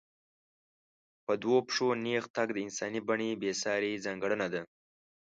په دوو پښو نېغ تګ د انساني بڼې بېسارې ځانګړنه ده.